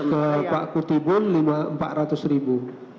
ke pak kutibun empat ratus ribu